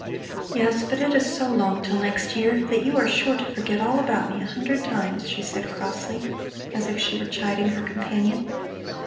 "Yes, but it is so long till next year, that you are sure to forget all about me a hundred times," she said crossly, as if she were chiding her companion.